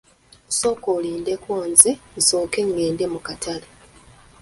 Sooka olindeko nze nsooke ngende mu katale.